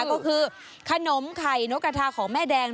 ก็คือขนมไข่นกกระทาของแม่แดง